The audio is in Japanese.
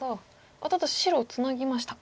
あっただ白ツナぎました。